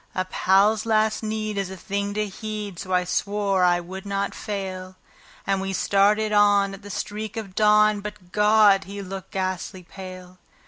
A pal's last need is a thing to heed, so I swore I would not fail; And we started on at the streak of dawn; but God! he looked ghastly pale.